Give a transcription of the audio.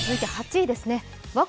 続いて８位ですね。